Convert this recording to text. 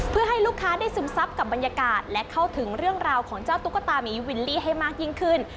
เพื่อให้ลูกค้าได้ซึมซับกับบรรยากาศและเข้าถึงเรื่องราวของเจ้าตุ๊กตามีวิลลี่ให้มากยิ่งขึ้น